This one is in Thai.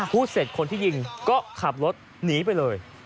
พูดเสร็จคนที่ยิงก็ขับรถหนีไปเลย